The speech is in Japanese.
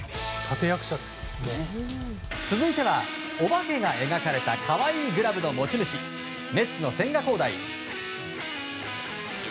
続いては、お化けが描かれた可愛いグラブの持ち主メッツの千賀滉大。